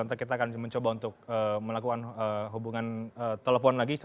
nanti kita akan mencoba untuk melakukan hubungan telepon lagi